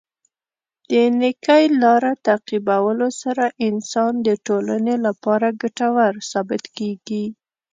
د نېکۍ لاره تعقیبولو سره انسان د ټولنې لپاره ګټور ثابت کیږي.